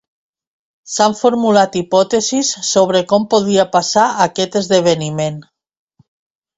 S'han formulat hipòtesis sobre com podria passar aquest esdeveniment.